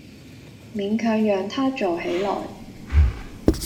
勉強讓她坐起來